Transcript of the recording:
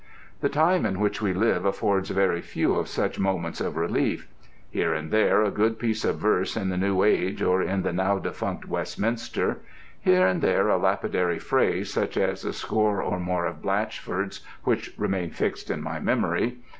The time in which we live affords very few of such moments of relief: here and there a good piece of verse, in The New Age or in the now defunct Westminster: here and there a lapidary phrase such as a score or more of BlatchfordŌĆÖs which remain fixed in my memory.